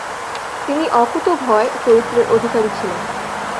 তিনি অকুতোভয় চরিত্রের অধিকারী ছিলেন।